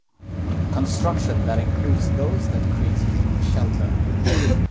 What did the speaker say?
Construction that includes those that create human shelter.